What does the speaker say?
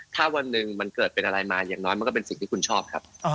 ถ้าวันหนึ่งมันเกิดเป็นอะไรมาอย่างน้อยมันก็เป็นสิ่งที่คุณชอบครับ